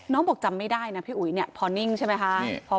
บอกจำไม่ได้นะพี่อุ๋ยเนี่ยพอนิ่งใช่ไหมคะ